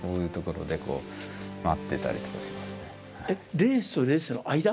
レースとレースの間？